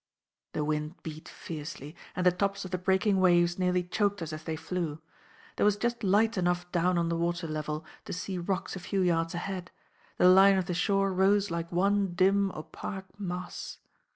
The wind beat fiercely, and the tops of the breaking waves nearly choked us as they flew. There was just light enough down on the water level to see rocks a few yards ahead; the line of the shore rose like one dim opaque mass.